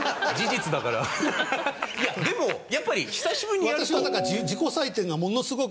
いやでもやっぱり久しぶりにやると。